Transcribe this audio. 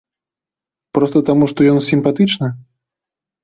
Проста таму, што ён сімпатычны?